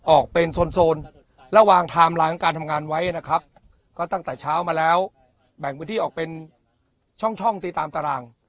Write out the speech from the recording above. ออกเป็นโซนระหว่างไทม์ไลน์ของการทำงานไว้นะครับก็ตั้งแต่เช้ามาแล้วแบ่งพื้นที่ออกเป็นช่องตีตามตาราง